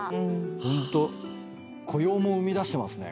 ホント雇用も生み出してますね。